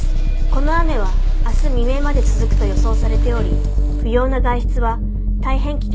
この雨は明日未明まで続くと予想されており不要な外出は大変危険ですのでお控えください。